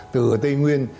từ tây nguyên